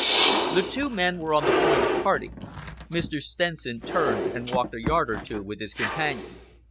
The two men were on the point of parting. Mr. Stenson turned and walked a yard or two with his companion.